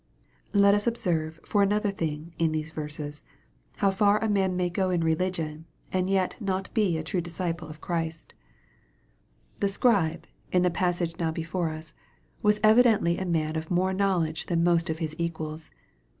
Let us observe, for another thing, in these verses, how far a man may go in religion, and yet not be a true disciple, of Christ. 264 EXPOSITORY THOUGHTS. The Scribe, in the passage now before us, was evi dently a man of more knowledge than most of his equals.